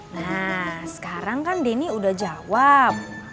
nah sekarang kan denny udah jawab